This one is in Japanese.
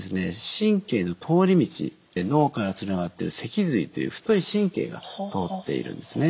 神経の通り道脳からつながっている脊髄という太い神経が通っているんですね。